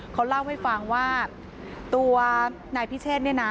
เขาเล่าให้ฟังว่าตัวนายพิเชษเนี่ยนะ